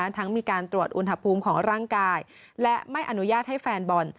ทั้งมีการตรวจอุณหภูมิของร่างกายและไม่อนุญาตให้แฟนบอล